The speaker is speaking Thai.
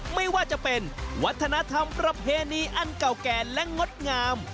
ไม่ว่าจะเป็นวัฒนธรรมประเพณีอันเก่าแก่และงดงาม